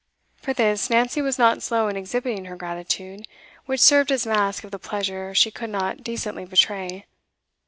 For this, Nancy was not slow in exhibiting her gratitude, which served as mask of the pleasure she could not decently betray.